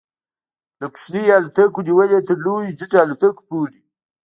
له کوچنیو الوتکو نیولې تر لویو جيټ الوتکو پورې